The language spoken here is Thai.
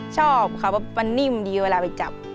ชอบครับเพราะมันนิ่มดีเวลาไปจับ